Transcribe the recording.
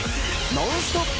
ノンストップ！